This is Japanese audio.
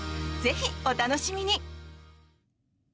ぜひお楽しみに。